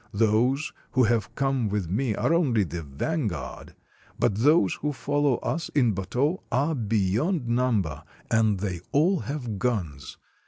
Those who have come with me are only the van guard, but those who follow us in bateaux are beyond number, and they all have guns.